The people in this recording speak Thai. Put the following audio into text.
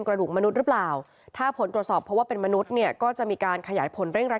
กระดูกในเมนนี่มันกระดูกใครกันแน่